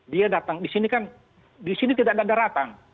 dia datang di sini kan di sini tidak ada daratan